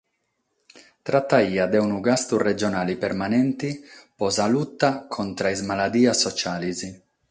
Trataiat de unu gastu regionale permanente pro sa luta contra a sas maladias sotziales.